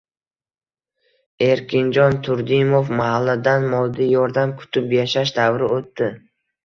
Erkinjon Turdimov: “Mahalladan moddiy yordam kutib yashash davri o‘tdi”